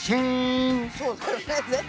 そらそうだよね。